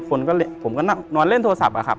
คนก็ผมก็นอนเล่นโทรศัพท์อะครับ